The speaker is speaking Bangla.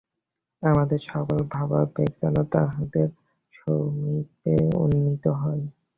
আমাদের সকল ভাবাবেগ যেন তাঁহারই সমীপে উন্নীত হয়।